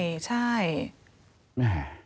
แม่